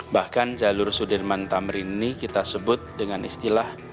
bahkan jalur sudirman tamrin ini kita sebut dengan istilah